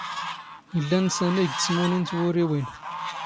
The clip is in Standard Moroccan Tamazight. ⵉⵍⵍⴰ ⵏⵏ ⵙⴰⵎⵉ ⴳ ⵜⵙⵎⵓⵏⵉ ⵏ ⵜⵡⵓⵔⵉⵡⵉⵏ.